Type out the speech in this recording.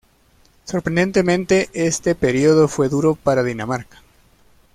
Sorprendentemente este período fue duro para Dinamarca.